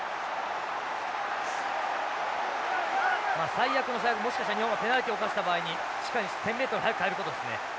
最悪の最悪もしかしたら日本がペナルティを犯した場合にしっかり１０ｍに早く帰ることですね。